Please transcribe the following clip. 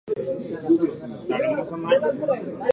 吾輩は池の前に坐ってどうしたらよかろうと考えて見た